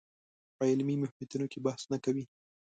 په علمي محیطونو کې بحث نه کوي